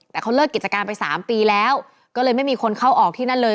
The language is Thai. แต่เขาเลิกกิจการไปสามปีแล้วก็เลยไม่มีคนเข้าออกที่นั่นเลย